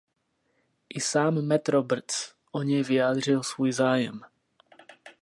I sám Matt Roberts o něj vyjádřil svůj zájem.